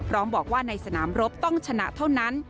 ร้องบอกว่าในสนามรบต้องชนะเท่านั้น